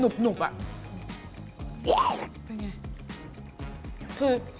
เป็นไง